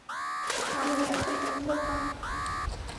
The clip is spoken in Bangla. আমি এতটাই বোকা!